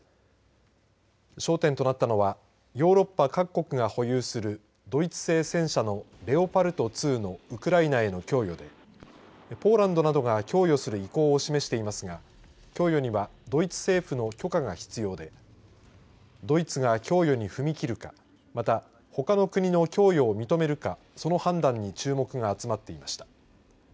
焦点となったのはヨーロッパ各国が保有するドイツ製戦車のレオパルト２のウクライナへの供与でポーランドなどが供与する意向を示していますが供与にはドイツ政府の許可が必要でドイツが供与に踏み切るかまた、ほかの国の供与を認めるかその判断に注目が集まっていました。